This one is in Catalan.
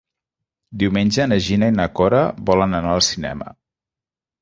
Diumenge na Gina i na Cora volen anar al cinema.